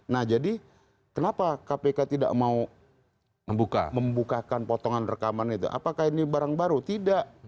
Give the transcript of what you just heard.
nah jadi kenapa kpk tidak mau membukakan potongan rekaman itu apakah ini barang baru tidak